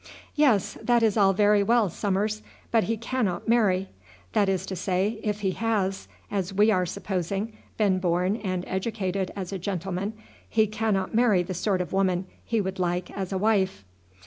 "Yes, that is all very well, Summers, but he cannot marry. That is to say, if he has, as we are supposing, been born and educated as a gentleman, he cannot marry the sort of woman he would like as a wife."